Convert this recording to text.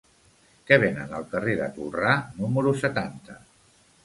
Què venen al carrer de Tolrà número setanta?